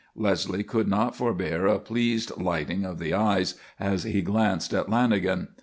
Leslie could not forbear a pleased lighting of the eyes as he glanced at Lanagan.